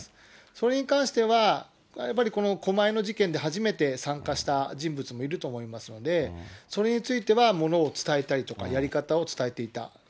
それに関しては、やっぱりこの狛江の事件で初めて参加した人物もいると思いますので、それについては、ものを伝えたりとか、やり方を伝えていた。